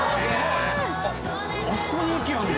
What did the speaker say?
・あそこに駅あるんだ。